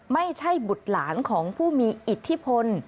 ไม่ใช่บุราณของผู้มีอิทธิพล